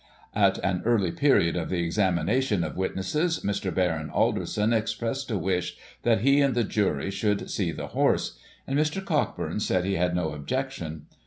At an early period of the examination of witnesses, Mr. Baron Alderson expressed a wish that he and the jury should see the horse ; and Mr. Cockburn said he had no objection.